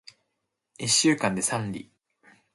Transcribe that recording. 一週間で三里